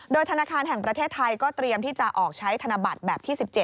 โดยธนาคารแห่งประเทศไทยก็เตรียมที่จะออกใช้ธนบัตรแบบที่๑๗